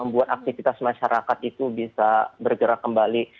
membuat aktivitas masyarakat itu bisa bergerak kembali